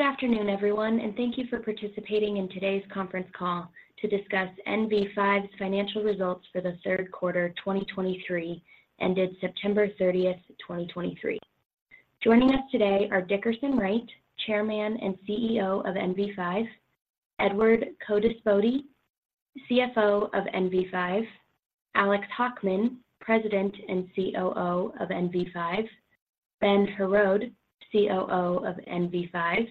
Good afternoon, everyone, and thank you for participating in today's conference call to discuss NV5's financial results for the third quarter of 2023, ended September 30th, 2023. Joining us today are Dickerson Wright, Chairman and CEO of NV5; Edward Codispoti, CFO of NV5; Alex Hockman, President and COO of NV5; Ben Heraud, COO of NV5;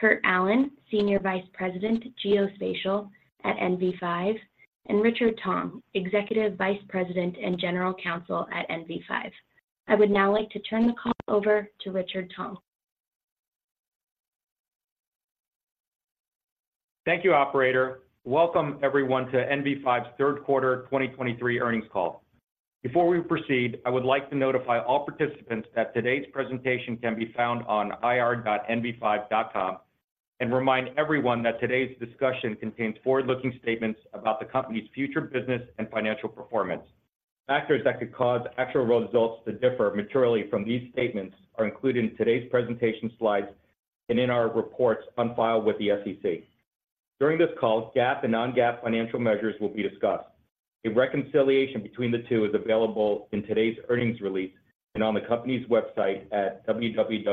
Kurt Allen, Senior Vice President, Geospatial at NV5; and Richard Tong, Executive Vice President and General Counsel at NV5. I would now like to turn the call over to Richard Tong. Thank you, operator. Welcome everyone, to NV5's third quarter 2023 earnings call. Before we proceed, I would like to notify all participants that today's presentation can be found on ir.nv5.com and remind everyone that today's discussion contains forward-looking statements about the company's future business and financial performance. Factors that could cause actual results to differ materially from these statements are included in today's presentation slides and in our reports on file with the SEC. During this call, GAAP and non-GAAP financial measures will be discussed. A reconciliation between the two is available in today's earnings release and on the company's website at www.nv5.com.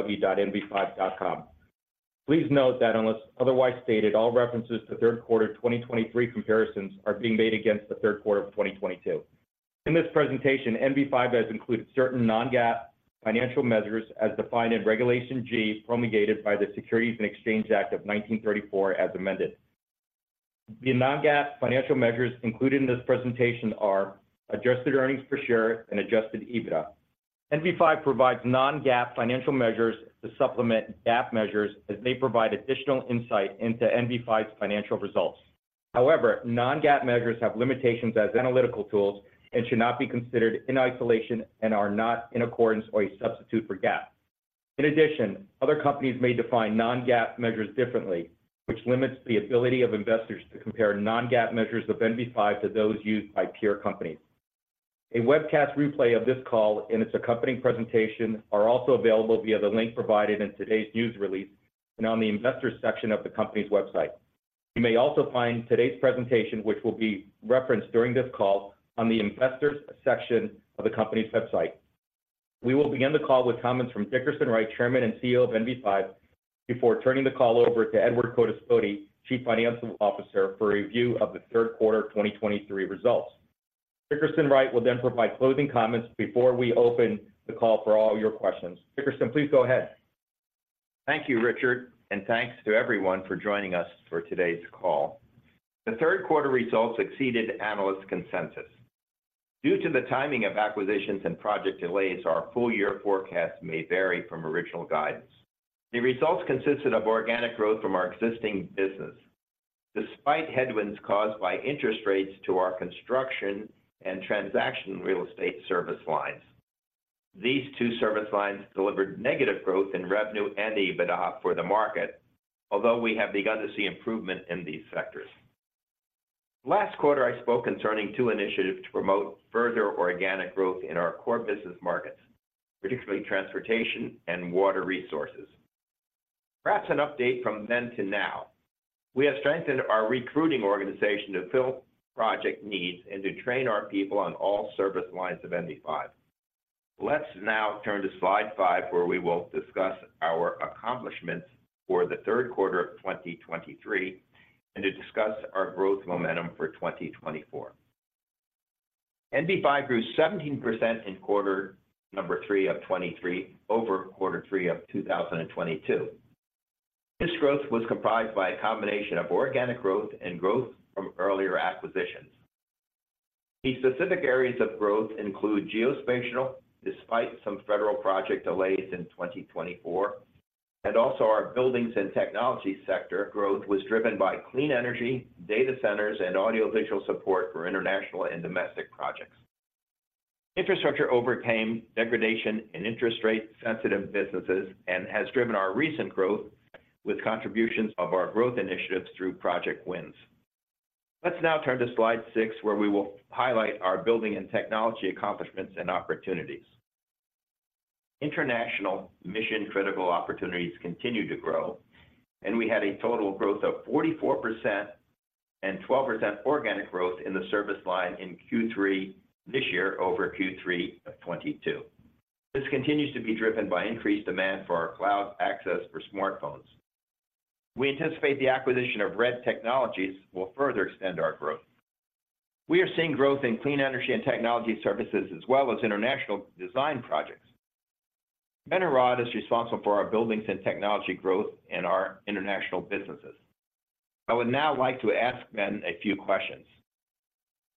Please note that unless otherwise stated, all references to third quarter 2023 comparisons are being made against the third quarter of 2022. In this presentation, NV5 has included certain non-GAAP financial measures as defined in Regulation G, promulgated by the Securities and Exchange Act of 1934, as amended. The non-GAAP financial measures included in this presentation are: adjusted earnings per share and Adjusted EBITDA. NV5 provides non-GAAP financial measures to supplement GAAP measures as they provide additional insight into NV5's financial results. However, non-GAAP measures have limitations as analytical tools and should not be considered in isolation, and are not in accordance or a substitute for GAAP. In addition, other companies may define non-GAAP measures differently, which limits the ability of investors to compare non-GAAP measures of NV5 to those used by peer companies. A webcast replay of this call and its accompanying presentation are also available via the link provided in today's news release and on the Investors section of the company's website. You may also find today's presentation, which will be referenced during this call, on the Investors section of the company's website. We will begin the call with comments from Dickerson Wright, Chairman and CEO of NV5, before turning the call over to Edward Codispoti, Chief Financial Officer, for a review of the third quarter 2023 results. Dickerson Wright will then provide closing comments before we open the call for all your questions. Dickerson, please go ahead. Thank you, Richard, and thanks to everyone for joining us for today's call. The third quarter results exceeded analyst consensus. Due to the timing of acquisitions and project delays, our full year forecast may vary from original guidance. The results consisted of organic growth from our existing business, despite headwinds caused by interest rates to our construction and transaction real estate service lines. These two service lines delivered negative growth in revenue and EBITDA for the market, although we have begun to see improvement in these sectors. Last quarter, I spoke concerning two initiatives to promote further organic growth in our core business markets, particularly transportation and water resources. Perhaps an update from then to now. We have strengthened our recruiting organization to fill project needs and to train our people on all service lines of NV5. Let's now turn to slide five, where we will discuss our accomplishments for the third quarter of 2023 and to discuss our growth momentum for 2024. NV5 grew 17% in quarter number three of 2023 over quarter three of 2022. This growth was comprised by a combination of organic growth and growth from earlier acquisitions. The specific areas of growth include Geospatial, despite some federal project delays in 2024, and also our Buildings and Technology sector growth was driven by clean energy, data centers, and audiovisual support for international and domestic projects. Infrastructure overcame degradation in interest rate-sensitive businesses and has driven our recent growth with contributions of our growth initiatives through project wins. Let's now turn to slide six, where we will highlight our building and technology accomplishments and opportunities. International mission-critical opportunities continue to grow, and we had a total growth of 44% and 12% organic growth in the service line in Q3 this year over Q3 of 2022. This continues to be driven by increased demand for our cloud access for smartphones. We anticipate the acquisition of Red Technologies will further extend our growth. We are seeing growth in clean energy and technology services, as well as international design projects. Ben Heraud is responsible for our buildings and technology growth in our international businesses. I would now like to ask Ben a few questions.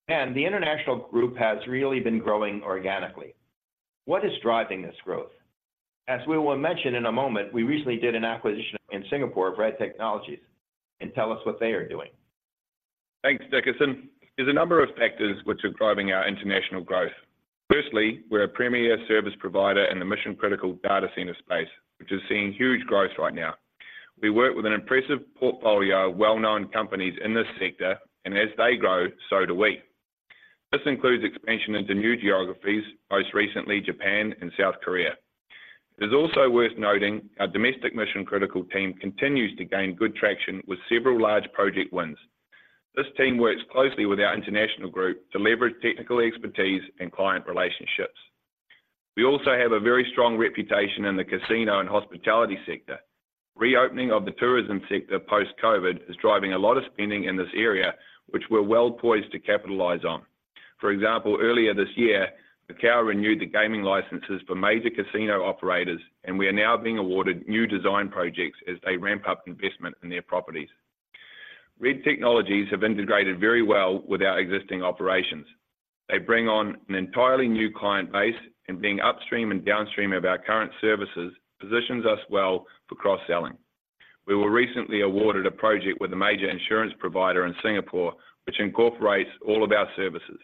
Ben, the international group has really been growing organically. What is driving this growth? As we will mention in a moment, we recently did an acquisition in Singapore of Red Technologies, and tell us what they are doing. Thanks, Dickerson. There's a number of factors which are driving our international growth. Firstly, we're a premier service provider in the mission-critical data center space, which is seeing huge growth right now. We work with an impressive portfolio of well-known companies in this sector, and as they grow, so do we. This includes expansion into new geographies, most recently Japan and South Korea. It is also worth noting our domestic mission-critical team continues to gain good traction with several large project wins. This team works closely with our international group to leverage technical expertise and client relationships. We also have a very strong reputation in the casino and hospitality sector. Reopening of the tourism sector post-COVID is driving a lot of spending in this area, which we're well-poised to capitalize on. For example, earlier this year, Macau renewed the gaming licenses for major casino operators, and we are now being awarded new design projects as they ramp up investment in their properties. Red Technologies have integrated very well with our existing operations. They bring on an entirely new client base, and being upstream and downstream of our current services positions us well for cross-selling. We were recently awarded a project with a major insurance provider in Singapore, which incorporates all of our services.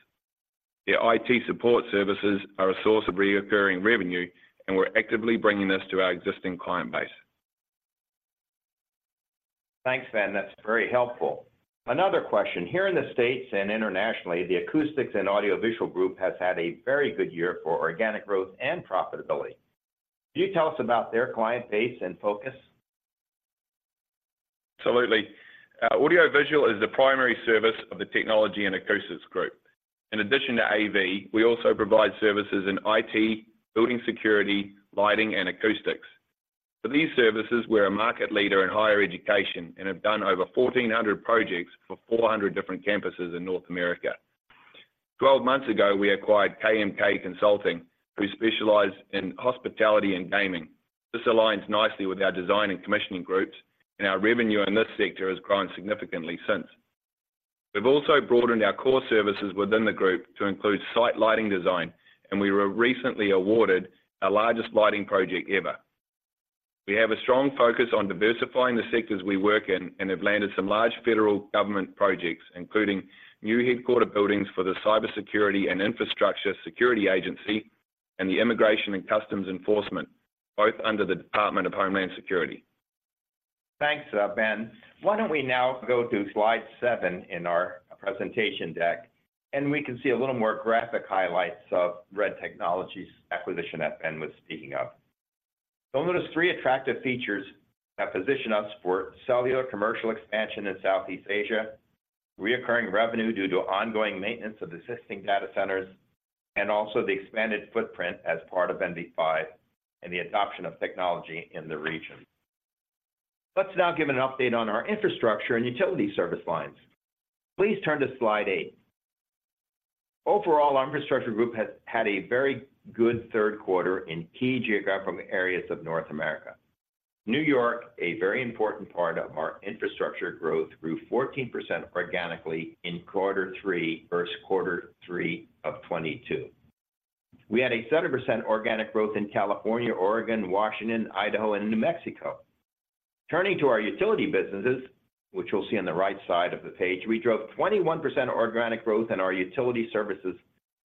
Their IT support services are a source of recurring revenue, and we're actively bringing this to our existing client base. Thanks, Ben. That's very helpful. Another question: here in the States and internationally, the Acoustics and Audio Visual Group has had a very good year for organic growth and profitability. Can you tell us about their client base and focus? Absolutely. Audio Visual is the primary service of the Technology and Acoustics Group. In addition to AV, we also provide services in IT, Building Security, Lighting, and Acoustics. For these services, we're a market leader in higher education and have done over 1,400 projects for 400 different campuses in North America. 12 months ago, we acquired KMK Consulting, who specialize in hospitality and gaming. This aligns nicely with our design and commissioning groups, and our revenue in this sector has grown significantly since. We've also broadened our core services within the group to include site lighting design, and we were recently awarded our largest lighting project ever. We have a strong focus on diversifying the sectors we work in, and have landed some large federal government projects, including new headquarters buildings for the Cybersecurity and Infrastructure Security Agency and the Immigration and Customs Enforcement, both under the Department of Homeland Security. Thanks, Ben. Why don't we now go to slide seven in our presentation deck, and we can see a little more graphic highlights of Red Technologies' acquisition that Ben was speaking of. You'll notice three attractive features that position us for cellular commercial expansion in Southeast Asia, recurring revenue due to ongoing maintenance of existing data centers, and also the expanded footprint as part of NV5 and the adoption of technology in the region. Let's now give an update on our infrastructure and utility service lines. Please turn to slide eight. Overall, our infrastructure group has had a very good third quarter in key geographical areas of North America. New York, a very important part of our infrastructure growth, grew 14% organically in quarter three versus quarter three of 2022. We had a 7% organic growth in California, Oregon, Washington, Idaho, and New Mexico. Turning to our utility businesses, which you'll see on the right side of the page, we drove 21% organic growth in our utility services,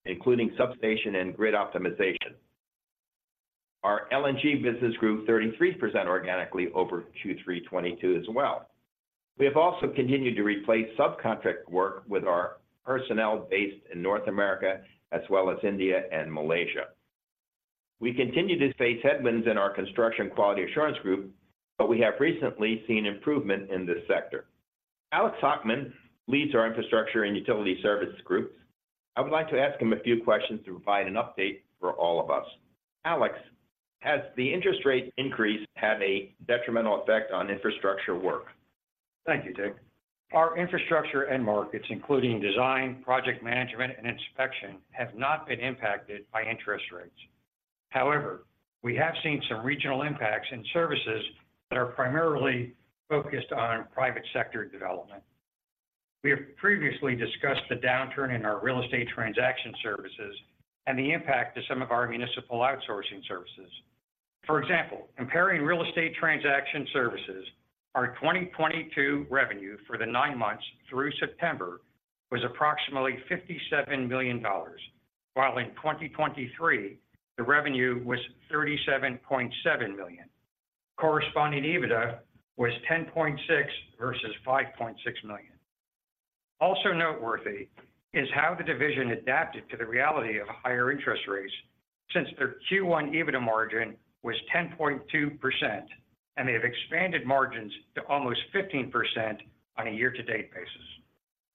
including substation and grid optimization. Our LNG business group, 33% organically over Q3 2022 as well. We have also continued to replace subcontract work with our personnel based in North America, as well as India and Malaysia. We continue to face headwinds in our construction quality assurance group, but we have recently seen improvement in this sector. Alex Hockman leads our infrastructure and utility services groups. I would like to ask him a few questions to provide an update for all of us. Alex, has the interest rate increase had a detrimental effect on infrastructure work? Thank you, Dick. Our infrastructure end markets, including design, project management, and inspection, have not been impacted by interest rates. However, we have seen some regional impacts in services that are primarily focused on private sector development. We have previously discussed the downturn in our real estate transaction services and the impact to some of our municipal outsourcing services. For example, comparing real estate transaction services, our 2022 revenue for the nine months through September was approximately $57 million, while in 2023 the revenue was $37.7 million. Corresponding EBITDA was $10.6 million versus $5.6 million. Also noteworthy is how the division adapted to the reality of higher interest rates since their Q1 EBITDA margin was 10.2%, and they have expanded margins to almost 15% on a year-to-date basis.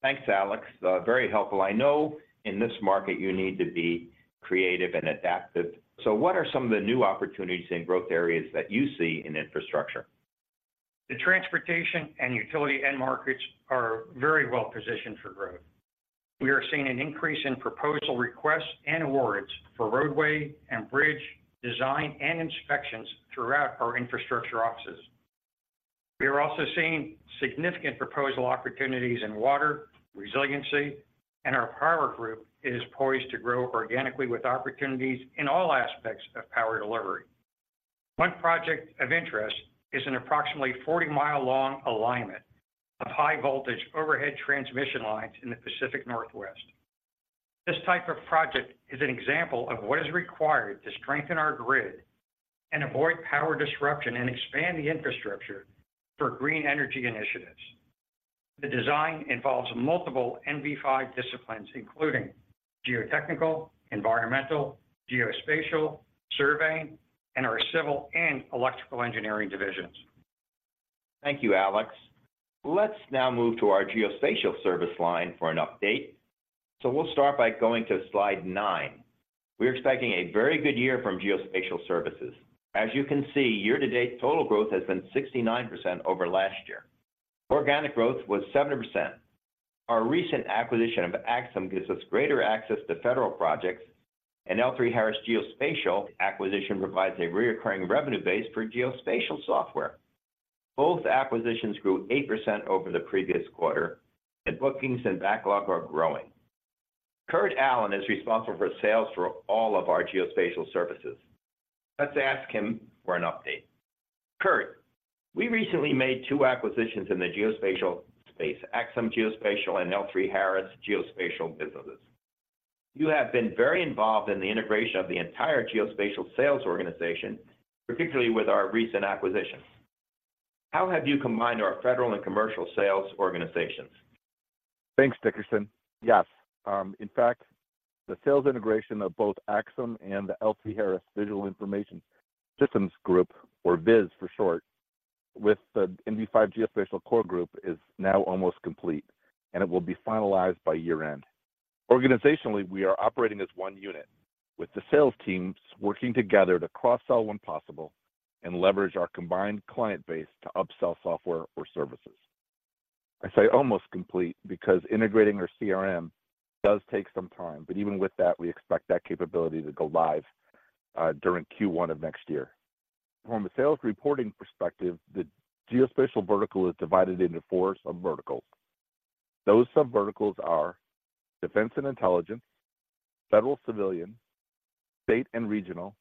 Thanks, Alex. Very helpful. I know in this market you need to be creative and adaptive. What are some of the new opportunities and growth areas that you see in infrastructure? The transportation and utility end markets are very well-positioned for growth. We are seeing an increase in proposal requests and awards for roadway and bridge design and inspections throughout our infrastructure offices. We are also seeing significant proposal opportunities in water resiliency, and our power group is poised to grow organically with opportunities in all aspects of power delivery. One project of interest is an approximately 40-mile-long alignment of high-voltage overhead transmission lines in the Pacific Northwest. This type of project is an example of what is required to strengthen our grid and avoid power disruption and expand the infrastructure for green energy initiatives. The design involves multiple NV5 disciplines, including geotechnical, environmental, geospatial, surveying, and our civil and electrical engineering divisions. Thank you, Alex. Let's now move to our geospatial service line for an update. We'll start by going to slide nine. We're expecting a very good year from geospatial services. As you can see, year-to-date, total growth has been 69% over last year. Organic growth was 70%. Our recent acquisition of Axim gives us greater access to federal projects, and L3Harris Geospatial acquisition provides a recurring revenue base for geospatial software. Both acquisitions grew 8% over the previous quarter, and bookings and backlog are growing. Kurt Allen is responsible for sales for all of our geospatial services. Let's ask him for an update. Kurt, we recently made two acquisitions in the geospatial space, Axim Geospatial and L3Harris Geospatial businesses. You have been very involved in the integration of the entire geospatial sales organization, particularly with our recent acquisition. How have you combined our federal and commercial sales organizations? Thanks, Dickerson. Yes, in fact, the sales integration of both Axim and the L3Harris Visual Information Solutions group, or VIS for short, with the NV5 Geospatial core group, is now almost complete, and it will be finalized by year-end. Organizationally, we are operating as one unit, with the sales teams working together to cross-sell when possible and leverage our combined client base to upsell software or services. I say almost complete because integrating our CRM does take some time, but even with that, we expect that capability to go live during Q1 of next year. From a sales reporting perspective, the geospatial vertical is divided into four subverticals. Those subverticals are defense and intelligence, federal civilian, state and regional,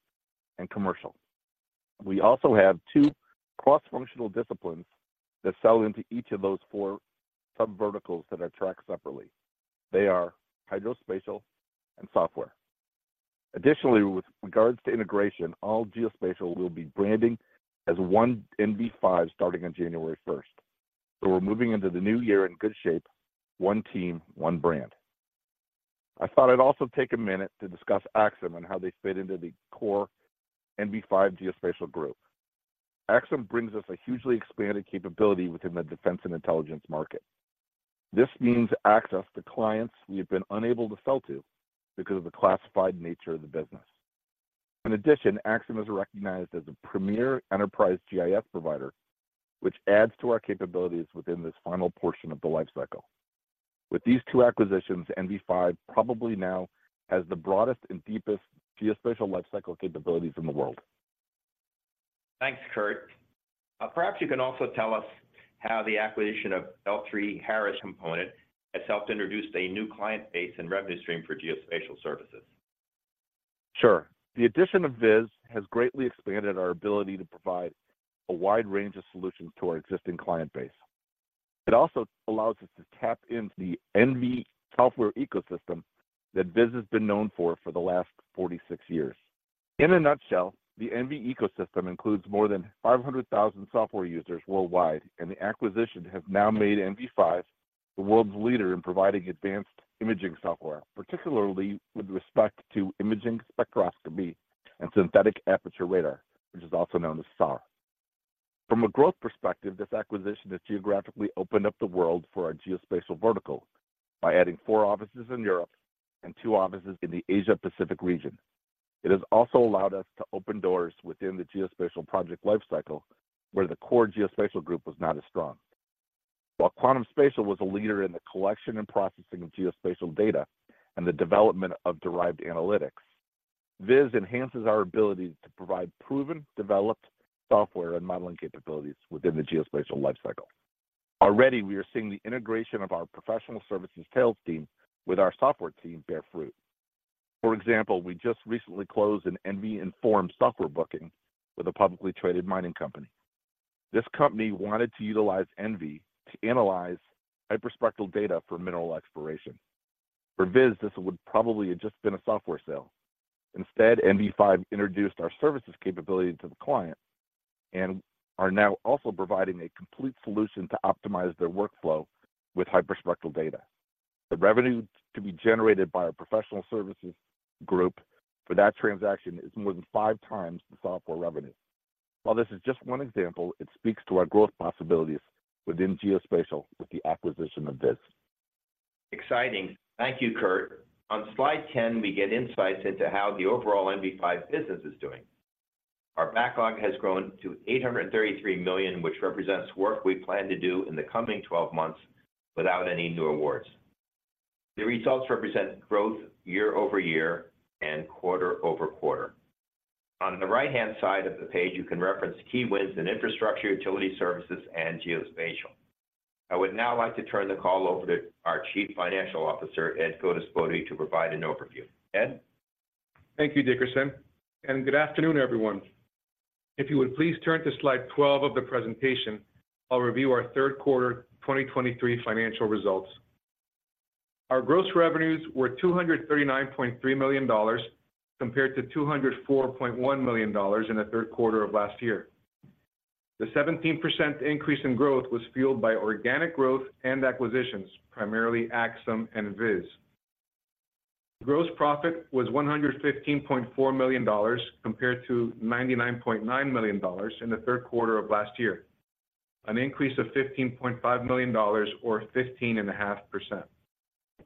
and commercial. We also have two cross-functional disciplines that sell into each of those four subverticals that are tracked separately. They are hydrospatial and software. Additionally, with regards to integration, all geospatial will be branding as one NV5 starting on January 1st. So we're moving into the new year in good shape, one team, one brand. I thought I'd also take a minute to discuss Axim and how they fit into the core NV5 geospatial group. Axim brings us a hugely expanded capability within the defense and intelligence market. This means access to clients we have been unable to sell to because of the classified nature of the business. In addition, Axim is recognized as a premier enterprise GIS provider, which adds to our capabilities within this final portion of the life cycle. With these two acquisitions, NV5 probably now has the broadest and deepest geospatial life cycle capabilities in the world. Thanks, Kurt. Perhaps you can also tell us how the acquisition of L3Harris Geospatial has helped introduce a new client base and revenue stream for geospatial services. Sure. The addition of VIS has greatly expanded our ability to provide a wide range of solutions to our existing client base. It also allows us to tap into the ENVI software ecosystem that VIS has been known for for the last 46 years. In a nutshell, the ENVI ecosystem includes more than 500,000 software users worldwide, and the acquisition has now made NV5 the world's leader in providing advanced imaging software, particularly with respect to imaging spectroscopy and synthetic aperture radar, which is also known as SAR. From a growth perspective, this acquisition has geographically opened up the world for our geospatial vertical by adding four offices in Europe and two offices in the Asia-Pacific region. It has also allowed us to open doors within the geospatial project life cycle, where the core geospatial group was not as strong. While Quantum Spatial was a leader in the collection and processing of geospatial data and the development of derived analytics, VIS enhances our ability to provide proven, developed software and modeling capabilities within the geospatial life cycle. Already, we are seeing the integration of our professional services sales team with our software team bear fruit. For example, we just recently closed an ENVI Inform software booking with a publicly traded mining company. This company wanted to utilize ENVI to analyze hyperspectral data for mineral exploration. For VIS, this would probably have just been a software sale. Instead, NV5 introduced our services capability to the client and are now also providing a complete solution to optimize their workflow with hyperspectral data. The revenue to be generated by our professional services group for that transaction is more than five times the software revenue. While this is just one example, it speaks to our growth possibilities within geospatial with the acquisition of this. Exciting. Thank you, Kurt. On slide 10, we get insights into how the overall NV5 business is doing. Our backlog has grown to $833 million, which represents work we plan to do in the coming 12 months without any new awards. The results represent growth year-over-year and quarter-over-quarter. On the right-hand side of the page, you can reference key wins in Infrastructure, Utility Services, and Geospatial. I would now like to turn the call over to our Chief Financial Officer, Ed Codispoti, to provide an overview. Ed? Thank you, Dickerson, and good afternoon, everyone. If you would please turn to slide 12 of the presentation, I'll review our third quarter 2023 financial results.... Our gross revenues were $239.3 million, compared to $204.1 million in the third quarter of last year. The 17% increase in growth was fueled by organic growth and acquisitions, primarily Axim and VIS. Gross profit was $115.4 million, compared to $99.9 million in the third quarter of last year, an increase of $15.5 million or 15.5%.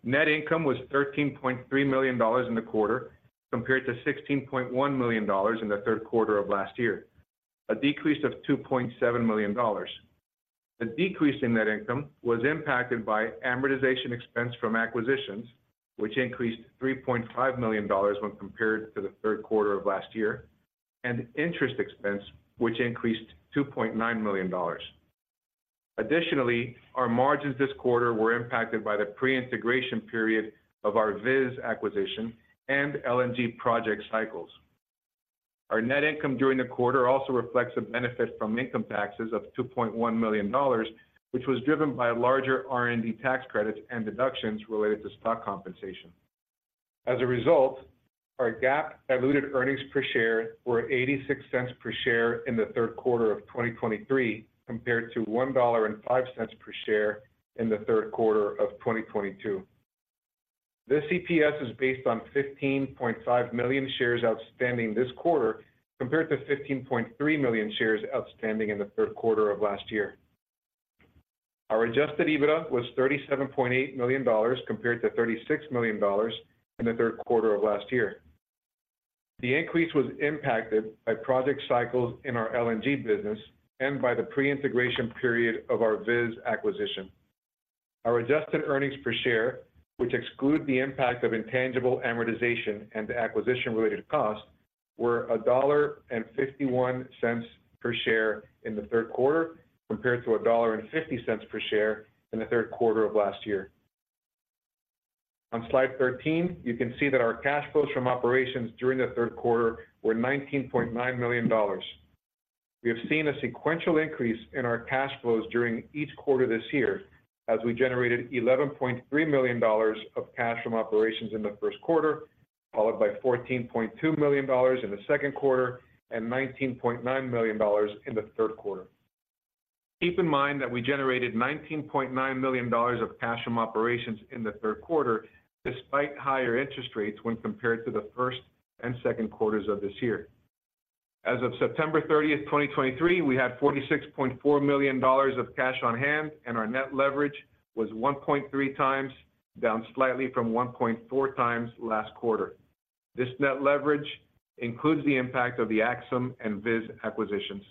Net income was $13.3 million in the quarter, compared to $16.1 million in the third quarter of last year, a decrease of $2.7 million. The decrease in net income was impacted by amortization expense from acquisitions, which increased $3.5 million when compared to the third quarter of last year, and interest expense, which increased $2.9 million. Additionally, our margins this quarter were impacted by the pre-integration period of our VIS acquisition and LNG project cycles. Our net income during the quarter also reflects a benefit from income taxes of $2.1 million, which was driven by larger R&D tax credits and deductions related to stock compensation. As a result, our GAAP diluted earnings per share were $0.86 per share in the third quarter of 2023, compared to $1.05 per share in the third quarter of 2022. This EPS is based on 15.5 million shares outstanding this quarter, compared to 15.3 million shares outstanding in the third quarter of last year. Our Adjusted EBITDA was $37.8 million, compared to $36 million in the third quarter of last year. The increase was impacted by project cycles in our LNG business and by the pre-integration period of our VIS acquisition. Our adjusted earnings per share, which exclude the impact of intangible amortization and the acquisition-related costs, were $1.51 per share in the third quarter, compared to $1.50 per share in the third quarter of last year. On slide 13, you can see that our cash flows from operations during the third quarter were $19.9 million. We have seen a sequential increase in our cash flows during each quarter this year, as we generated $11.3 million of cash from operations in the first quarter, followed by $14.2 million in the second quarter and $19.9 million in the third quarter. Keep in mind that we generated $19.9 million of cash from operations in the third quarter, despite higher interest rates when compared to the first and second quarters of this year. As of September 30th, 2023, we had $46.4 million of cash on hand, and our net leverage was 1.3x, down slightly from 1.4x last quarter. This net leverage includes the impact of the Axim and VIS acquisitions.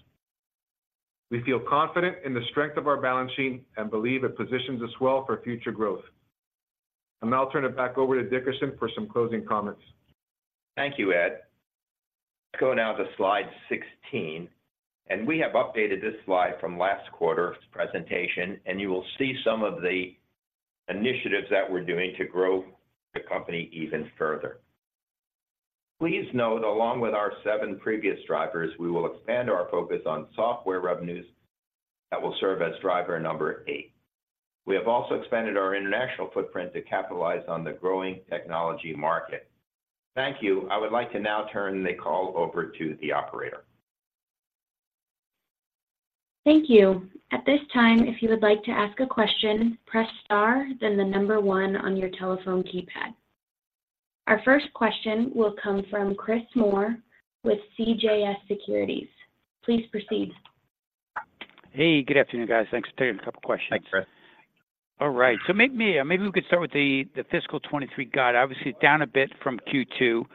We feel confident in the strength of our balance sheet and believe it positions us well for future growth. I'll now turn it back over to Dickerson for some closing comments. Thank you, Ed. Let's go now to slide 16, and we have updated this slide from last quarter's presentation, and you will see some of the initiatives that we're doing to grow the company even further. Please note, along with our seven previous drivers, we will expand our focus on software revenues that will serve as driver number eight. We have also expanded our international footprint to capitalize on the growing technology market. Thank you. I would like to now turn the call over to the operator. Thank you. At this time, if you would like to ask a question, press star, then the number one on your telephone keypad. Our first question will come from Chris Moore with CJS Securities. Please proceed. Hey, good afternoon, guys. Thanks for taking a couple questions. Thanks, Chris. All right, so maybe, maybe we could start with the fiscal 2023 guide. Obviously, it's down a bit from Q2. You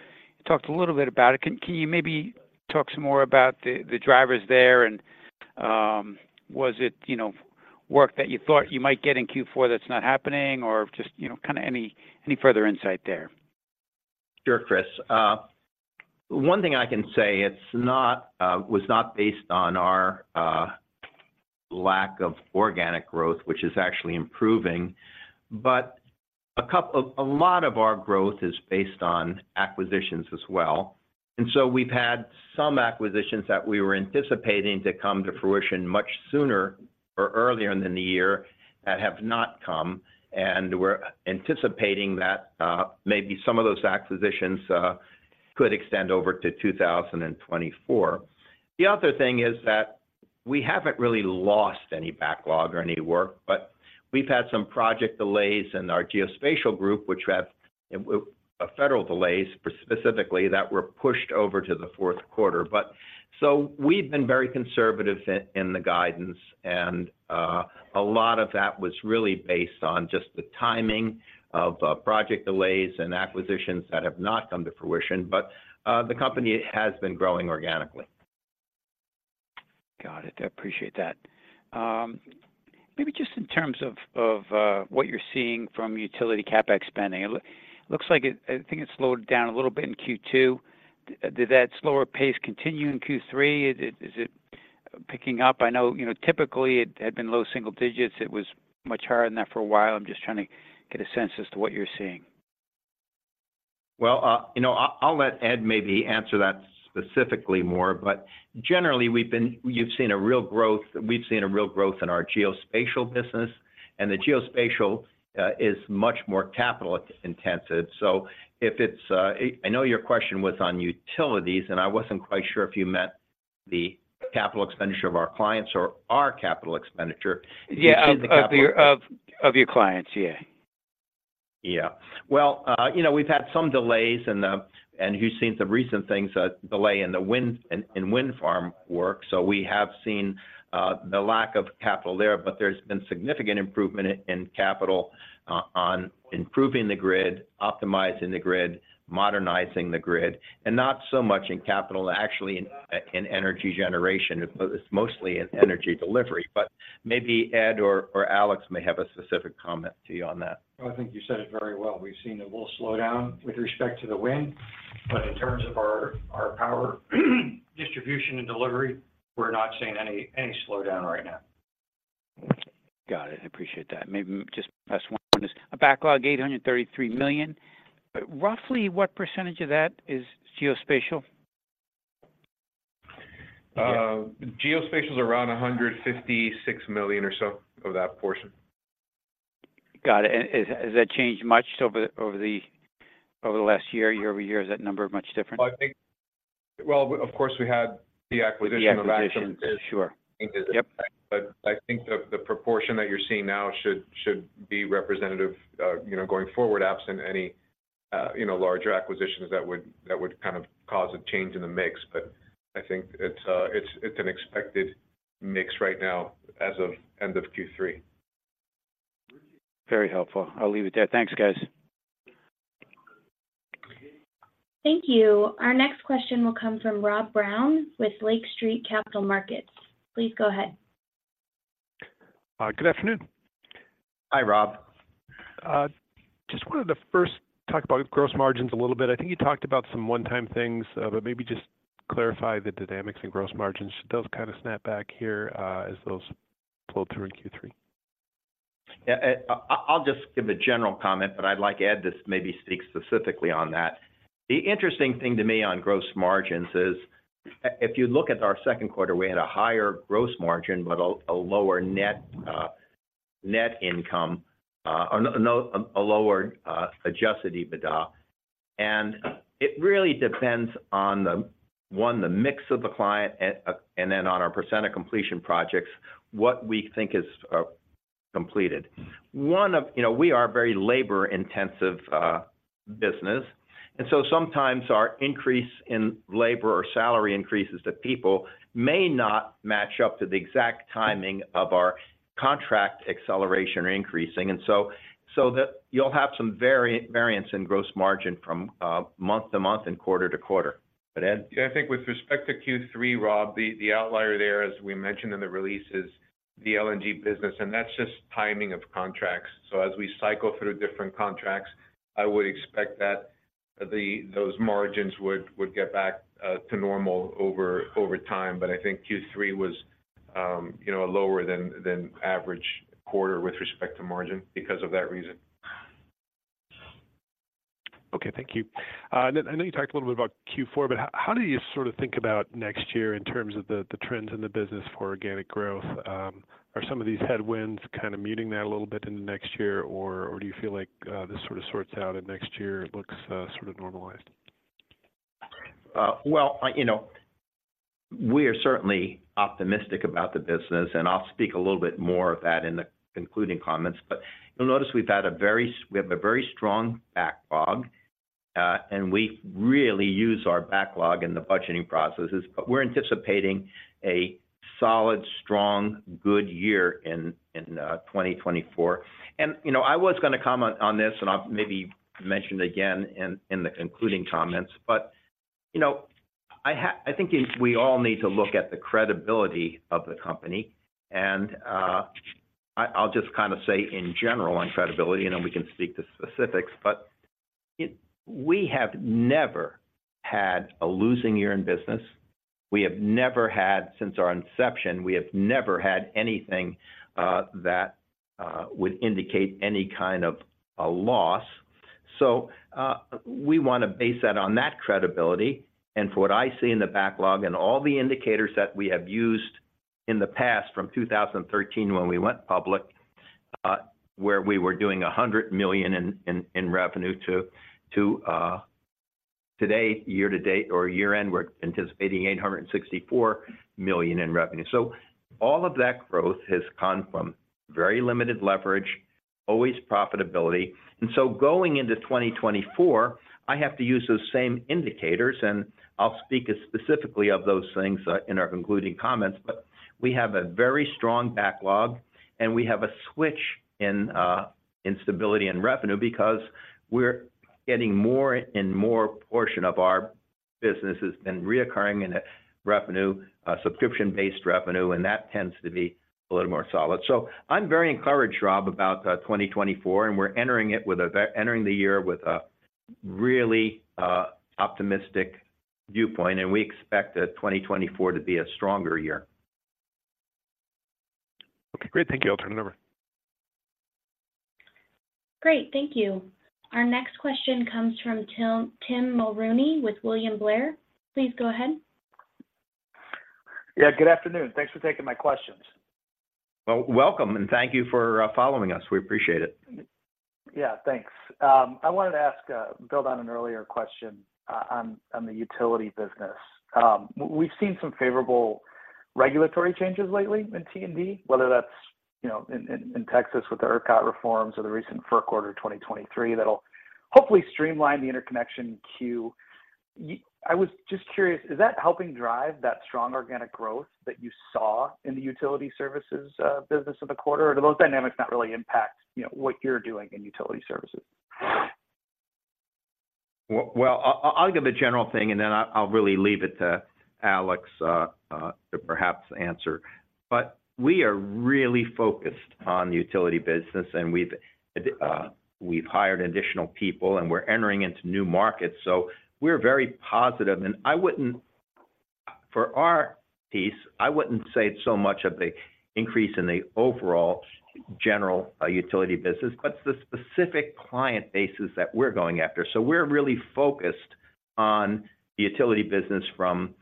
talked a little bit about it. Can you maybe talk some more about the drivers there? And, was it, you know, work that you thought you might get in Q4 that's not happening? Or just, you know, kind of any further insight there? Sure, Chris. One thing I can say, it's not was not based on our lack of organic growth, which is actually improving, but a lot of our growth is based on acquisitions as well. And so we've had some acquisitions that we were anticipating to come to fruition much sooner or earlier in the year that have not come, and we're anticipating that maybe some of those acquisitions could extend over to 2024. The other thing is that we haven't really lost any backlog or any work, but we've had some project delays in our geospatial group, which have federal delays specifically, that were pushed over to the fourth quarter. But so we've been very conservative in the guidance, and a lot of that was really based on just the timing of project delays and acquisitions that have not come to fruition. But the company has been growing organically. Got it. I appreciate that. Maybe just in terms of what you're seeing from utility CapEx spending, it looks like it, I think it slowed down a little bit in Q2. Did that slower pace continue in Q3? Is it picking up? I know, you know, typically it had been low single digits. It was much higher than that for a while. I'm just trying to get a sense as to what you're seeing. Well, you know, I'll, I'll let Ed maybe answer that specifically more, but generally, we've been-- we've seen a real growth, we've seen a real growth in our geospatial business, and the geospatial is much more capital intensive. So if it's, I know your question was on utilities, and I wasn't quite sure if you meant the capital expenditure of our clients or our capital expenditure. Yeah, of your clients. Yeah. Yeah. Well, you know, we've had some delays, and—and you've seen some recent things, a delay in the wind, in wind farm work. So we have seen the lack of capital there, but there's been significant improvement in capital on improving the grid, optimizing the grid, modernizing the grid, and not so much in capital, actually, in energy generation. It's mostly in energy delivery. But maybe Ed or Alex may have a specific comment to you on that. I think you said it very well. We've seen a little slowdown with respect to the wind, but in terms of our power distribution and delivery, we're not seeing any slowdown right now. Got it. I appreciate that. Maybe just last one on this. A backlog, $833 million, but roughly what percentage of that is Geospatial? Geospatial is around $156 million or so of that portion. Got it. And has that changed much over the last year, year-over-year? Is that number much different? I think... Well, of course, we had the acquisition of- The acquisition. Sure. Yep. But I think the proportion that you're seeing now should be representative, you know, going forward, absent any, you know, larger acquisitions that would kind of cause a change in the mix. But I think it's an expected mix right now as of end of Q3. Very helpful. I'll leave it there. Thanks, guys. Thank you. Our next question will come from Rob Brown with Lake Street Capital Markets. Please go ahead. Good afternoon. Hi, Rob. Just wanted to first talk about gross margins a little bit. I think you talked about some one-time things, but maybe just clarify the dynamics in gross margins. Should those kind of snap back here, as those pull through in Q3? Yeah, I'll just give a general comment, but I'd like Ed to maybe speak specifically on that. The interesting thing to me on gross margins is, if you look at our second quarter, we had a higher gross margin, but a lower net, net income, no, no, a lower Adjusted EBITDA. And it really depends on the one, the mix of the client, and then on our percent of completion projects, what we think is completed. One of—you know, we are a very labor-intensive business, and so sometimes our increase in labor or salary increases to people may not match up to the exact timing of our contract acceleration or increasing. And so, you'll have some variance in gross margin from month to month and quarter to quarter. But Ed? I think with respect to Q3, Rob, the outlier there, as we mentioned in the release, is the LNG business, and that's just timing of contracts. So as we cycle through different contracts, I would expect that those margins would get back to normal over time. But I think Q3 was, you know, a lower than average quarter with respect to margin because of that reason. Okay. Thank you. And I know you talked a little bit about Q4, but how do you sort of think about next year in terms of the trends in the business for organic growth? Are some of these headwinds kind of muting that a little bit into next year, or do you feel like this sort of sorts out and next year it looks sort of normalized? Well, you know, we are certainly optimistic about the business, and I'll speak a little bit more of that in the concluding comments. But you'll notice we have a very strong backlog, and we really use our backlog in the budgeting processes. But we're anticipating a solid, strong, good year in 2024. And, you know, I was gonna comment on this, and I'll maybe mention it again in the concluding comments, but, you know, I think it's we all need to look at the credibility of the company. And I’ll just kind of say in general, on credibility, and then we can speak to specifics, but we have never had a losing year in business. We have never had, since our inception, we have never had anything that would indicate any kind of a loss. So, we want to base that on that credibility. From what I see in the backlog and all the indicators that we have used in the past, from 2013, when we went public, where we were doing $100 million in revenue to, today, year-to-date or year end, we're anticipating $864 million in revenue. So all of that growth has come from very limited leverage, always profitability. Going into 2024, I have to use those same indicators, and I'll speak specifically of those things in our concluding comments. But we have a very strong backlog, and we have a switch in, in stability and revenue because we're getting more and more portion of our business has been recurring in revenue, subscription-based revenue, and that tends to be a little more solid. So I'm very encouraged, Rob, about 2024, and we're entering it with a entering the year with a really, optimistic viewpoint, and we expect 2024 to be a stronger year. Great. Thank you. I'll turn it over. Great. Thank you. Our next question comes from Tim, Tim Mulrooney with William Blair. Please go ahead. Yeah, good afternoon. Thanks for taking my questions. Well, welcome, and thank you for following us. We appreciate it. Yeah, thanks. I wanted to ask, build on an earlier question, on the utility business. We've seen some favorable regulatory changes lately in T&D, whether that's, you know, in Texas with the ERCOT reforms or the recent FERC Order 2023, that'll hopefully streamline the interconnection queue. I was just curious, is that helping drive that strong organic growth that you saw in the utility services business of the quarter? Or do those dynamics not really impact, you know, what you're doing in utility services? Well, I'll give a general thing, and then I'll really leave it to Alex to perhaps answer. But we are really focused on the utility business, and we've hired additional people, and we're entering into new markets, so we're very positive. And I wouldn't—for our piece, I wouldn't say it's so much of the increase in the overall general utility business, but the specific client bases that we're going after. So we're really focused on the utility business from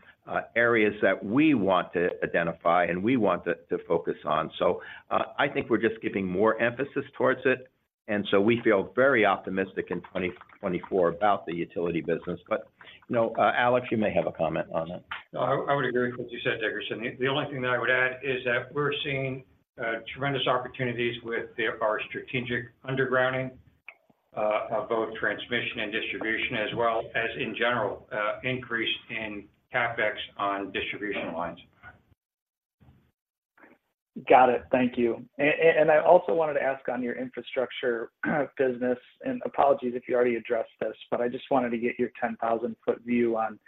areas that we want to identify and we want to focus on. So I think we're just giving more emphasis towards it, and so we feel very optimistic in 2024 about the utility business. But, you know, Alex, you may have a comment on that. No, I would agree with what you said, Dickerson. The only thing that I would add is that we're seeing tremendous opportunities with our strategic undergrounding of both transmission and distribution, as well as in general increase in CapEx on distribution lines. Got it. Thank you. And I also wanted to ask on your infrastructure business, and apologies if you already addressed this, but I just wanted to get your 10,000-foot view on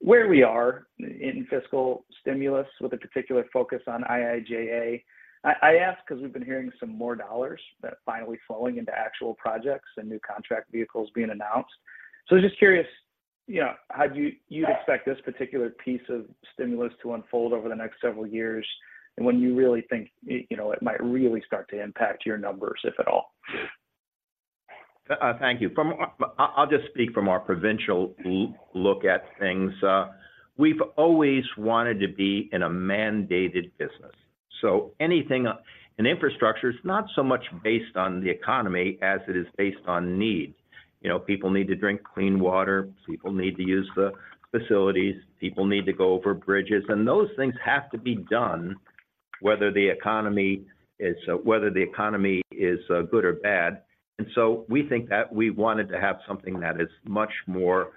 where we are in fiscal stimulus, with a particular focus on IIJA. I ask because we've been hearing some more U.S. dollars that are finally flowing into actual projects and new contract vehicles being announced. So just curious, you know, how do you expect this particular piece of stimulus to unfold over the next several years, and when you really think, you know, it might really start to impact your numbers, if at all? Thank you. I'll just speak from our provincial look at things. We've always wanted to be in a mandated business. So anything in infrastructure is not so much based on the economy as it is based on need. You know, people need to drink clean water, people need to use the facilities, people need to go over bridges, and those things have to be done, whether the economy is good or bad. And so we think that we wanted to have something that is much more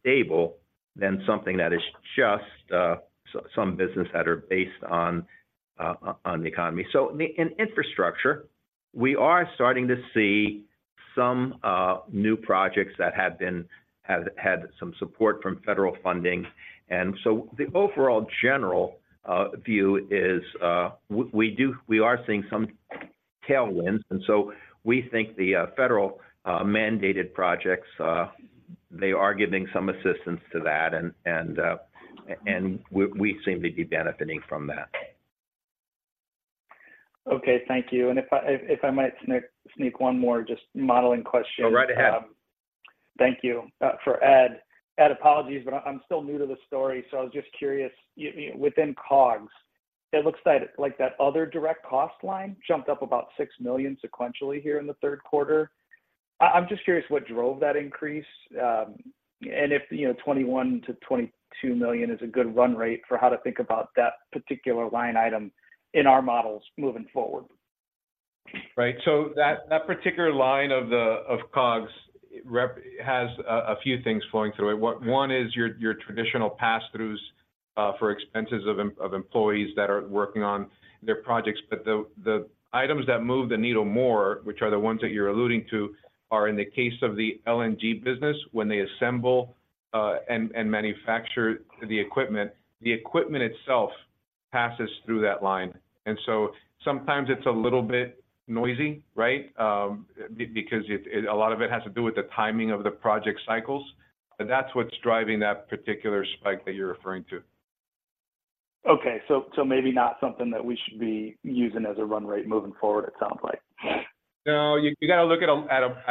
stable than something that is just some business that are based on the economy. So in infrastructure, we are starting to see some new projects that have had some support from federal funding. The overall general view is we are seeing some tailwinds, and so we think the federal mandated projects are giving some assistance to that, and we seem to be benefiting from that. Okay. Thank you. And if I might sneak one more just modeling question- Oh, right ahead. Thank you. For Ed, apologies, but I'm still new to the story, so I was just curious, within COGS, it looks like that other direct cost line jumped up about $6 million sequentially here in the third quarter. I'm just curious what drove that increase, and if, you know, $21 million-$22 million is a good run rate for how to think about that particular line item in our models moving forward. Right. So that particular line of the COGS has a few things flowing through it. One is your traditional pass-throughs for expenses of employees that are working on their projects. But the items that move the needle more, which are the ones that you're alluding to, are in the case of the LNG business. When they assemble and manufacture the equipment, the equipment itself passes through that line. And so sometimes it's a little bit noisy, right? Because a lot of it has to do with the timing of the project cycles, but that's what's driving that particular spike that you're referring to. Okay, so maybe not something that we should be using as a run rate moving forward, it sounds like. No, you got to look at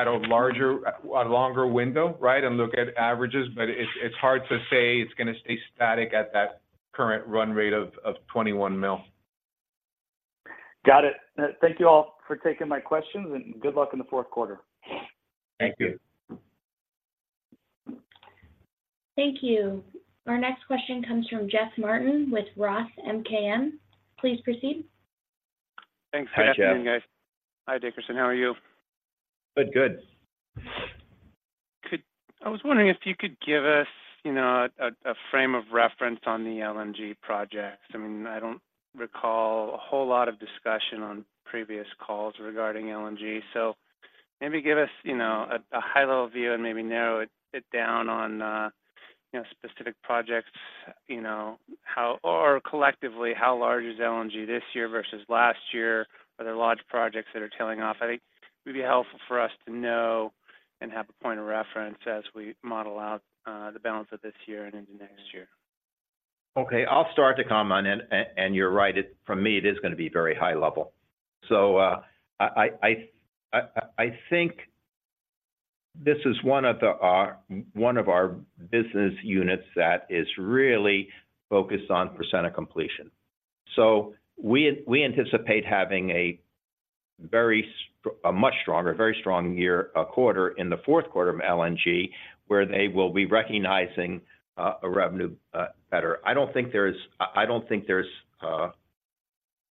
a larger, longer window, right? And look at averages. But it's hard to say it's going to stay static at that current run rate of $21 million. Got it. Thank you all for taking my questions, and good luck in the fourth quarter. Thank you. Thank you. Our next question comes from Jeff Martin with Roth MKM. Please proceed. Thanks. Hi, Jeff. Good afternoon, guys. Hi, Dickerson. How are you? Good, good. I was wondering if you could give us, you know, a frame of reference on the LNG projects. I mean, I don't recall a whole lot of discussion on previous calls regarding LNG, so maybe give us, you know, a high-level view and maybe narrow it down on, you know, specific projects. You know, collectively, how large is LNG this year versus last year? Are there large projects that are tailing off? I think it would be helpful for us to know and have a point of reference as we model out the balance of this year and into next year. Okay, I'll start to comment on it. And you're right, it, from me, it is gonna be very high level. So, I think this is one of our business units that is really focused on percent of completion. So we anticipate having a much stronger, very strong year, quarter in the fourth quarter of LNG, where they will be recognizing a revenue better. I don't think there's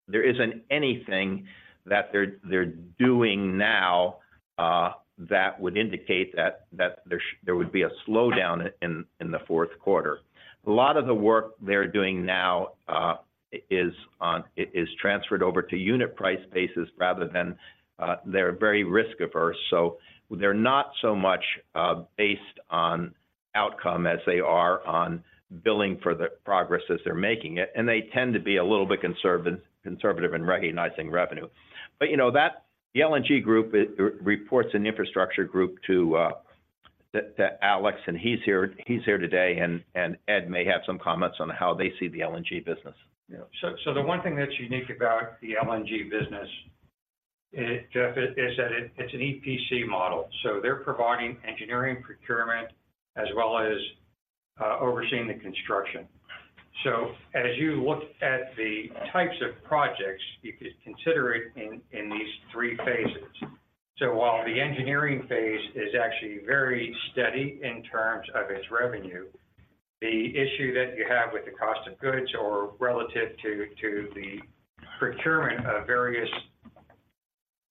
there isn't anything that they're doing now that would indicate that there would be a slowdown in the fourth quarter. A lot of the work they're doing now is transferred over to unit price basis rather than. They're very risk-averse, so they're not so much based on outcome as they are on billing for the progress as they're making it, and they tend to be a little bit conservative, conservative in recognizing revenue. But, you know, that—the LNG group, it reports an infrastructure group to, to, to Alex, and he's here, he's here today, and, and Ed may have some comments on how they see the LNG business. Yeah. So the one thing that's unique about the LNG business, Jeff, is that it, it's an EPC model, so they're providing engineering procurement as well as overseeing the construction. So as you look at the types of projects, you could consider it in these three phases. So while the engineering phase is actually very steady in terms of its revenue, the issue that you have with the cost of goods or relative to the procurement of various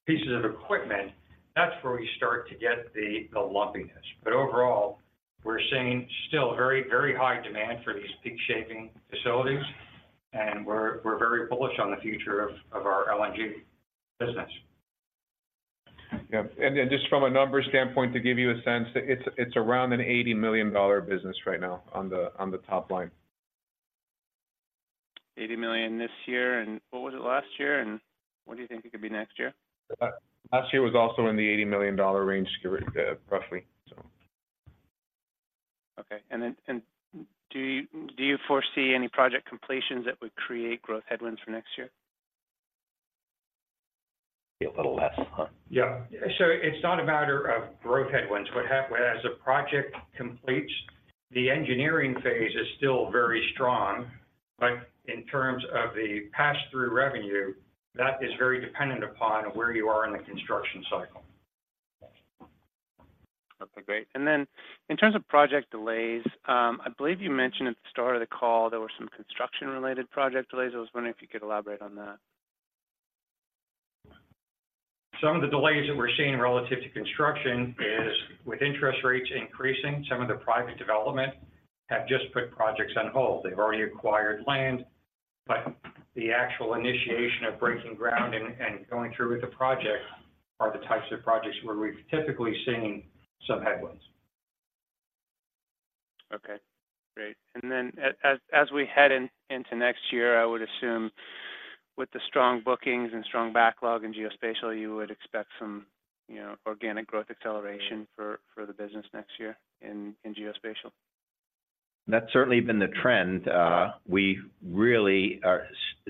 pieces of equipment, that's where we start to get the lumpiness. But overall, we're seeing still very, very high demand for these peak shaving facilities, and we're very bullish on the future of our LNG business. Yeah. And then just from a numbers standpoint, to give you a sense, it's around an $80 million business right now on the top line. $80 million this year, and what was it last year, and what do you think it could be next year? Last year was also in the $80 million range, roughly, so. Okay. And then, do you foresee any project completions that would create growth headwinds for next year? Be a little less, huh? Yeah. So it's not a matter of growth headwinds. What happens when, as a project completes, the engineering phase is still very strong. But in terms of the pass-through revenue, that is very dependent upon where you are in the construction cycle. Okay, great. In terms of project delays, I believe you mentioned at the start of the call there were some construction-related project delays. I was wondering if you could elaborate on that. Some of the delays that we're seeing relative to construction is, with interest rates increasing, some of the private development have just put projects on hold. They've already acquired land, but the actual initiation of breaking ground and going through with the projects are the types of projects where we've typically seen some headwinds. Okay, great. And then as we head into next year, I would assume with the strong bookings and strong backlog in geospatial, you would expect some, you know, organic growth acceleration for the business next year in geospatial? That's certainly been the trend. We really are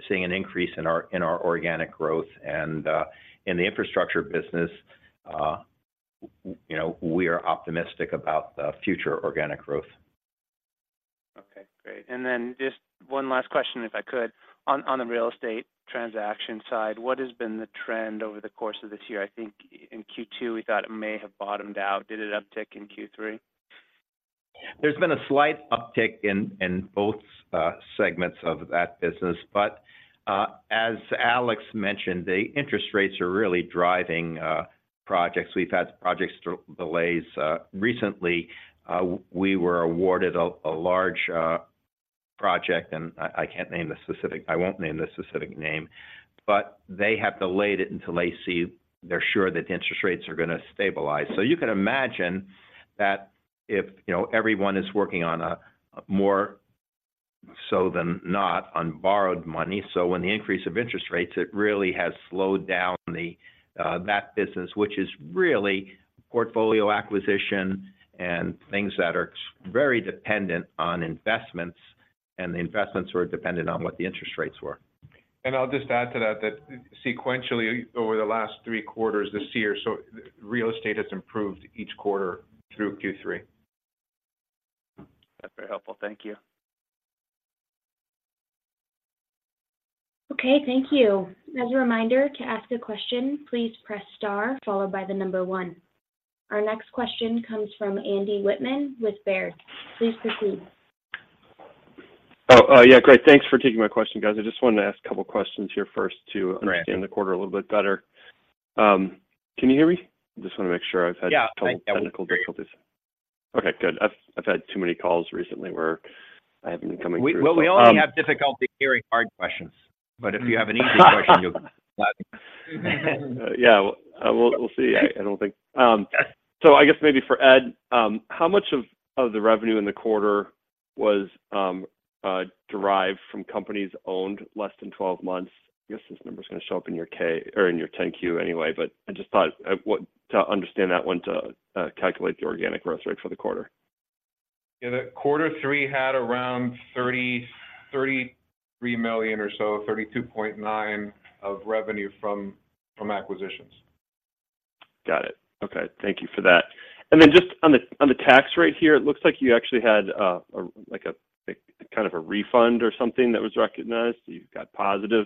seeing an increase in our, in our organic growth and, in the infrastructure business, you know, we are optimistic about the future organic growth. Okay, great. And then just one last question, if I could. On, on the real estate transaction side, what has been the trend over the course of this year? I think in Q2, we thought it may have bottomed out. Did it uptick in Q3? There's been a slight uptick in both segments of that business. But as Alex mentioned, the interest rates are really driving projects. We've had project delays. Recently, we were awarded a large project and I can't name the specific. I won't name the specific name, but they have delayed it until they see they're sure that interest rates are gonna stabilize. So you can imagine that if, you know, everyone is working on, more so than not, on borrowed money, so when the increase of interest rates, it really has slowed down that business, which is really portfolio acquisition and things that are very dependent on investments, and the investments were dependent on what the interest rates were. I'll just add to that, that sequentially, over the last three quarters this year, so real estate has improved each quarter through Q3. That's very helpful. Thank you. Okay, thank you. As a reminder, to ask a question, please press star followed by the number one. Our next question comes from Andy Wittman with Baird. Please proceed. Oh, yeah, great. Thanks for taking my question, guys. I just wanted to ask a couple questions here first to- Great... understand the quarter a little bit better. Can you hear me? Just wanna make sure. I've had- Yeah, I-... technical difficulties. Okay, good. I've, I've had too many calls recently where I haven't been coming through. Well, we only have difficulty hearing hard questions, but if you have an easy question, you'll- Yeah. Well, we'll see. I don't think... So I guess maybe for Ed, how much of the revenue in the quarter was derived from companies owned less than 12 months. I guess this number is going to show up in your 10-K or in your 10-Q anyway, but I just thought to understand that one to calculate the organic growth rate for the quarter. Yeah, the quarter three had around $30 million-$33 million or so, $32.9 million of revenue from acquisitions. Got it. Okay, thank you for that. And then just on the tax rate here, it looks like you actually had a refund or something that was recognized. You've got positive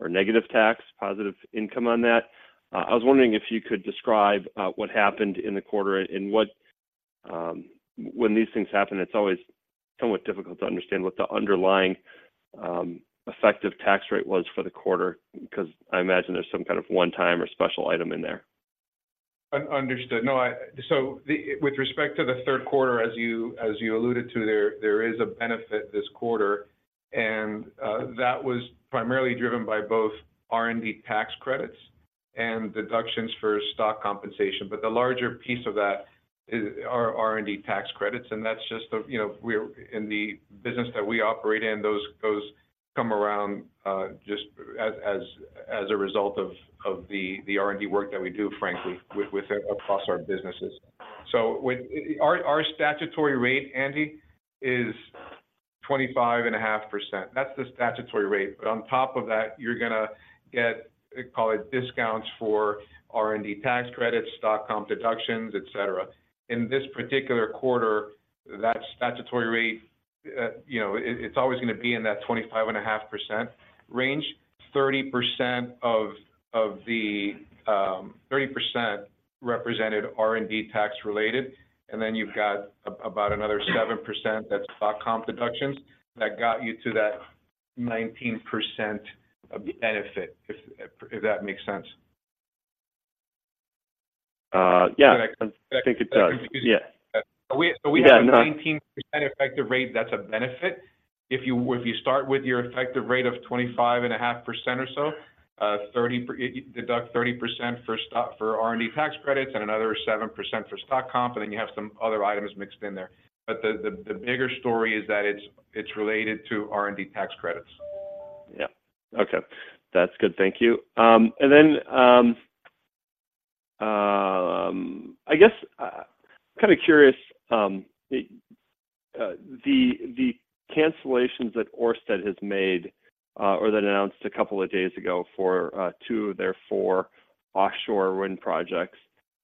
or negative tax, positive income on that. I was wondering if you could describe what happened in the quarter and what. When these things happen, it's always somewhat difficult to understand what the underlying effective tax rate was for the quarter, because I imagine there's some kind of one-time or special item in there. Understood. No, so, with respect to the third quarter, as you alluded to, there is a benefit this quarter, and that was primarily driven by both R&D tax credits and deductions for stock compensation. But the larger piece of that is, are R&D tax credits, and that's just the, you know, we're in the business that we operate in, those come around just as a result of the R&D work that we do, frankly, with across our businesses. So when.. Our statutory rate, Andy, is 25.5%. That's the statutory rate, but on top of that, you're gonna get, call it, discounts for R&D tax credits, stock comp deductions, etc. In this particular quarter, that statutory rate, you know, it, it's always going to be in that 25.5% range. 30% of the 30% represented R&D tax related, and then you've got about another 7% that's stock comp deductions that got you to that 19% of the benefit, if that makes sense. Yeah, I think it does. Yeah. Yeah, no- We have a 19% effective rate, that's a benefit. If you start with your effective rate of 25.5% or so, you deduct 30% for stock, for R&D tax credits, and another 7% for stock comp, and then you have some other items mixed in there. But the bigger story is that it's related to R&D tax Credits. Yeah. Okay, that's good. Thank you. And then, I guess, kind of curious, the cancellations that Ørsted has made, or that were announced a couple of days ago for two of their four offshore wind projects.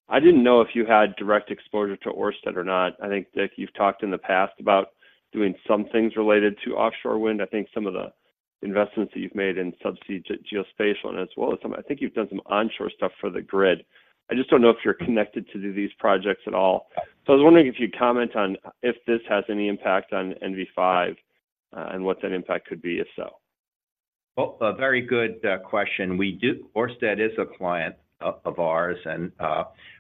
I didn't know if you had direct exposure to Ørsted or not. I think that you've talked in the past about doing some things related to offshore wind. I think some of the investments that you've made in subsea geospatial, and as well as some, I think you've done some onshore stuff for the grid. I just don't know if you're connected to these projects at all. So I was wondering if you'd comment on if this has any impact on NV5, and what that impact could be if so. Well, a very good question. Ørsted is a client of ours, and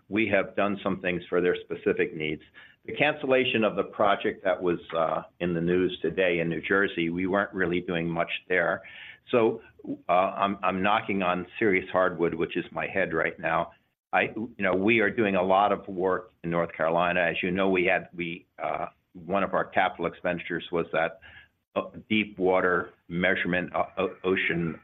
we have done some things for their specific needs. The cancellation of the project that was in the news today in New Jersey, we weren't really doing much there. So, I'm knocking on serious hardwood, which is my head right now. You know, we are doing a lot of work in North Carolina. As you know, we had one of our capital expenditures was that deep water measurement ocean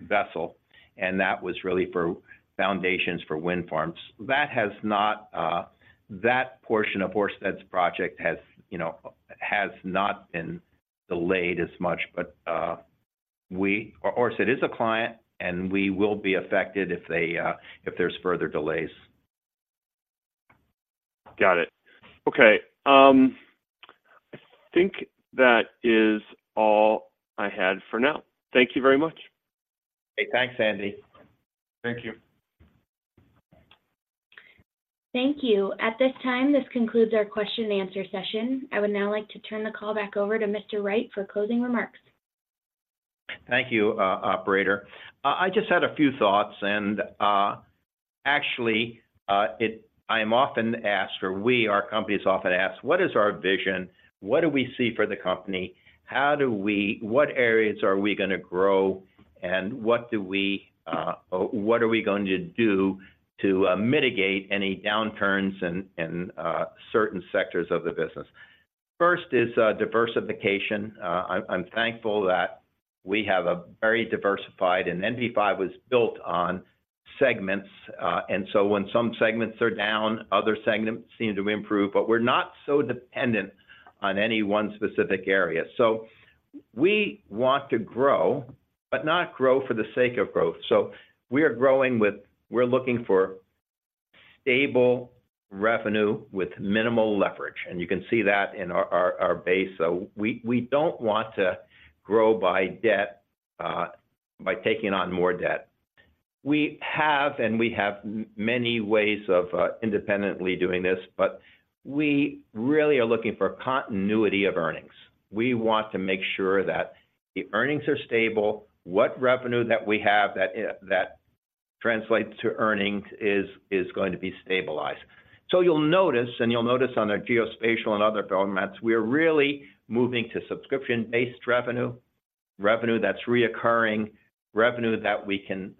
vessel, and that was really for foundations for wind farms. That has not, that portion of Ørsted's project has, you know, has not been delayed as much. But, Ørsted is a client, and we will be affected if they, if there's further delays. Got it. Okay, I think that is all I had for now. Thank you very much. Hey, thanks, Andy. Thank you. Thank you. At this time, this concludes our question-and-answer session. I would now like to turn the call back over to Mr. Wright for closing remarks. Thank you, operator. I just had a few thoughts, and, actually, I am often asked, or we, our company is often asked: What is our vision? What do we see for the company? How do we—What areas are we gonna grow? And what do we, or what are we going to do to, mitigate any downturns in, in, certain sectors of the business? First is, diversification. I'm thankful that we have a very diversified, and NV5 was built on segments, and so when some segments are down, other segments seem to improve, but we're not so dependent on any one specific area. So we want to grow, but not grow for the sake of growth. So we are growing with—we're looking for stable revenue with minimal leverage, and you can see that in our base. So we don't want to grow by debt, by taking on more debt. We have many ways of independently doing this, but we really are looking for continuity of earnings. We want to make sure that the earnings are stable, what revenue that we have, that translates to earnings is going to be stabilized. So you'll notice on our geospatial and other developments, we are really moving to subscription-based revenue... revenue that's recurring, revenue that we can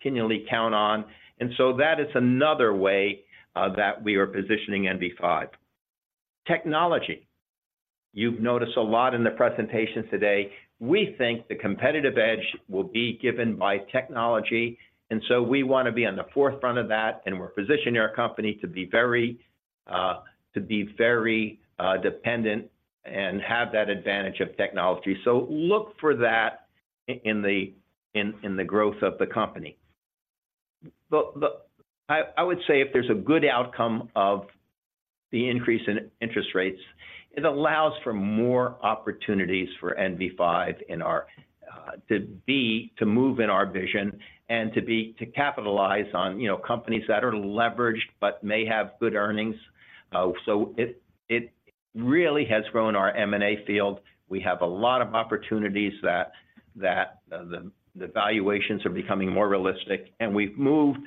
continually count on. And so that is another way that we are positioning NV5 Technology. You've noticed a lot in the presentation today. We think the competitive edge will be given by technology, and so we wanna be on the forefront of that, and we're positioning our company to be very dependent and have that advantage of technology. So look for that in the growth of the company. But I would say if there's a good outcome of the increase in interest rates, it allows for more opportunities for NV5 to move in our vision and to capitalize on, you know, companies that are leveraged but may have good earnings. So it really has grown our M&A field. We have a lot of opportunities that the valuations are becoming more realistic, and we've moved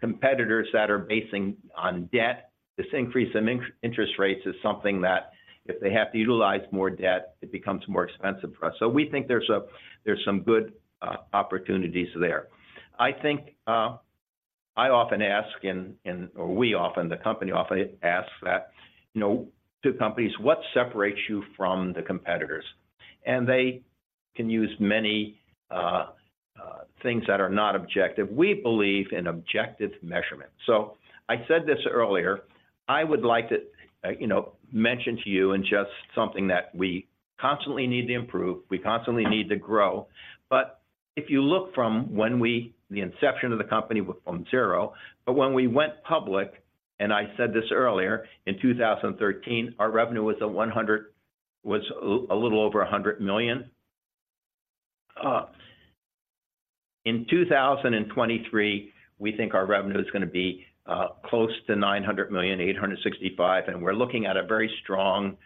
competitors that are basing on debt. This increase in interest rates is something that if they have to utilize more debt, it becomes more expensive for us. So we think there's a, there's some good opportunities there. I think, I often ask or we often, the company often asks that, you know, to companies, "What separates you from the competitors?" And they can use many things that are not objective. We believe in objective measurement. So I said this earlier, I would like to, you know, mention to you and just something that we constantly need to improve, we constantly need to grow. But if you look from when we, the inception of the company was from zero, but when we went public, and I said this earlier, in 2013, our revenue was a little over $100 million. In 2023, we think our revenue is gonna be close to $900 million, $865 million, and we're looking at a very strong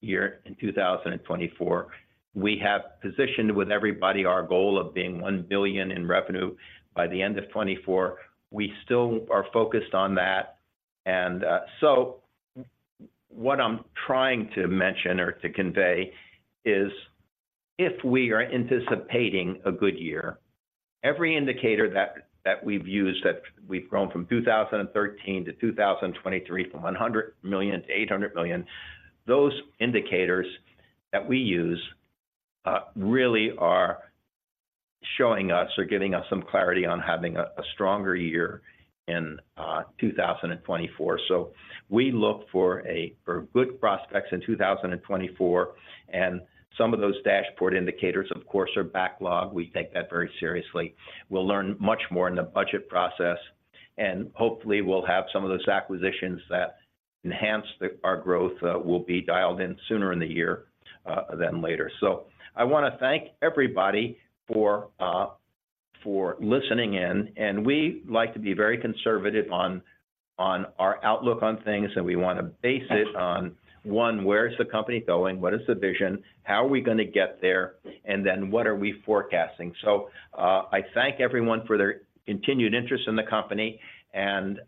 year in 2024. We have positioned with everybody our goal of being $1 billion in revenue by the end of 2024. We still are focused on that. And so what I'm trying to mention or to convey is, if we are anticipating a good year, every indicator that we've used, that we've grown from 2013 to 2023, from $100 million to $800 million, those indicators that we use really are showing us or giving us some clarity on having a stronger year in 2024. So we look for good prospects in 2024, and some of those dashboard indicators, of course, are backlog. We take that very seriously. We'll learn much more in the budget process, and hopefully, we'll have some of those acquisitions that enhance our growth will be dialed in sooner in the year than later. So I wanna thank everybody for listening in, and we like to be very conservative on our outlook on things, and we wanna base it on, one, where is the company going? What is the vision? How are we gonna get there? And then, what are we forecasting? So, I thank everyone for their continued interest in the company, and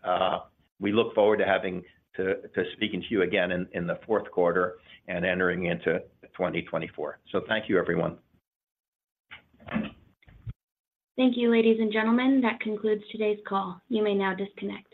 we look forward to speaking to you again in the fourth quarter and entering into 2024. So thank you, everyone. Thank you, ladies and gentlemen. That concludes today's call. You may now disconnect.